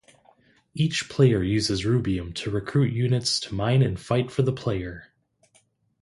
Each player uses rubium to recruit units to mine and fight for the player.